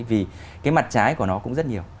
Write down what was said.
vì cái mặt trái của nó cũng rất nhiều